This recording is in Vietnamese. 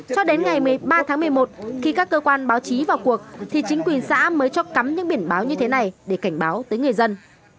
cho đến ngày một mươi ba tháng một mươi một khi các cơ quan báo chí vào cuộc thì chính quyền xã mới cho cắm những biển báo như thế này để cảnh báo tới người dân